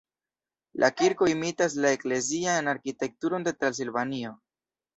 La kirko imitas la eklezian arkitekturon de Transilvanio.